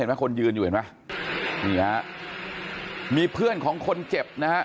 คนยืนอยู่เห็นไหมนี่ฮะมีเพื่อนของคนเจ็บนะฮะ